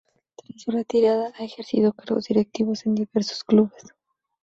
Tras su retirada ha ejercido cargos directivos en diversos clubes.